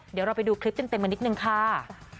เดี๋ยวเราไปดูคลิปเต็มกันนิดนึงค่ะ